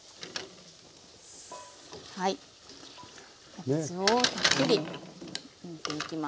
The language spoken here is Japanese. キャベツをたっぷり入れていきます。